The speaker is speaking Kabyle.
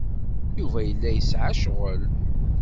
Yuba yella yesɛa ccɣel.